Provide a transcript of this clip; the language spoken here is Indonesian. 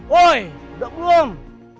woy udah pulang